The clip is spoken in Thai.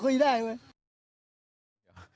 คุยได้ไหม